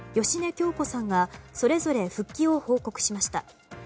芳根京子さんがそれぞれ復帰を報告しました。